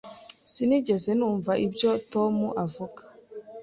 Sinigeze numva ibyo Tom avuga.